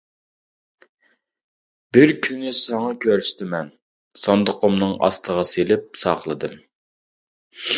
بىر كۈنى ساڭا كۆرسىتىمەن، ساندۇقۇمنىڭ ئاستىغا سېلىپ ساقلىدىم.